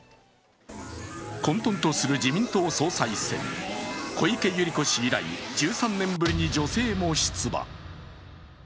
混とんとする自民党総裁選、小池百合子氏以来１３年ぶりに女性も出馬。